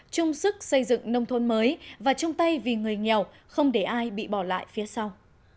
chung sức xây dựng nông thôn mới và chung tay vì người nghèo không để ai bị bỏ lại phía sau